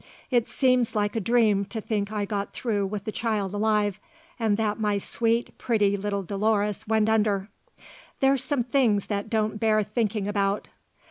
"It seems like a dream to think I got through with the child alive, and that my sweet, pretty little Dolores went under. There's some things that don't bear thinking about.